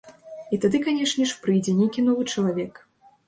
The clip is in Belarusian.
І тады, канешне ж, прыйдзе нейкі новы чалавек.